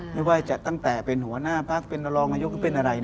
ไม่ว่าจะตั้งแต่เป็นหัวหน้าพักเป็นรองนายกหรือเป็นอะไร